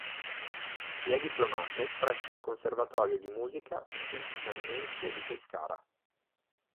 Si è diplomato presso il Conservatorio di Musica G. D'Annunzio di Pescara.